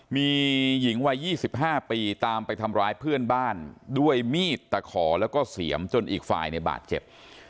มีหญิงวัย๒๕ปีตามไปทำร้ายเพื่อนบ้านด้วยมีดตะขอแล้วก็เสียมจนอีกฝ่ายในบาดเจ็บ